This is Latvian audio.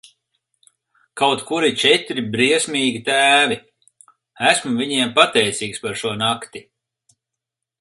Kaut kur ir četri briesmīgi tēvi, esmu viņiem pateicīgs par šo nakti.